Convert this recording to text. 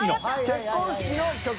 「結婚式の曲」。